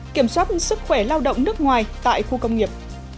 kiểm soát sức khỏe lao động nước ngoài tại khu công nghiệp